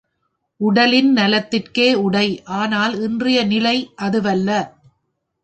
உடலின் நலத்திற்கே உடை ஆனால் இன்றைய நிலை... அதுவல்ல.